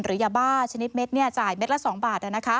ยาบ้าชนิดเม็ดจ่ายเม็ดละ๒บาท